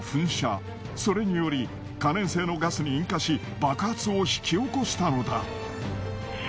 それにより可燃性のガスに引火し爆発を引き起こしたのだ。